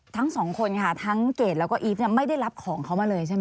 ทั้งสองคนค่ะทั้งเกรดแล้วก็อีฟไม่ได้รับของเขามาเลยใช่ไหม